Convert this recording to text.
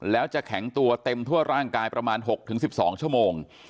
แล้วจะแข็งตัวเต็มทั่วร่างกายประมาณ๖๑๒ชั่วโมง